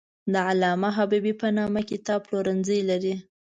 د علامه حبیبي په نامه کتاب پلورنځی لري.